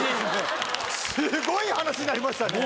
すごい話になりましたね。